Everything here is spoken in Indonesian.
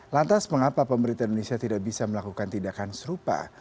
lantas mengapa pemerintah indonesia tidak bisa melakukan tindakan serupa